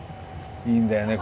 いいんだよね